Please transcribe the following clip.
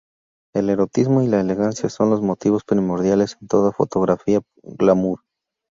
El erotismo y la elegancia son los motivos primordiales en toda fotografía glamour.